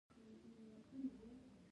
د جلغوزیو سوداګري څومره ګټه لري؟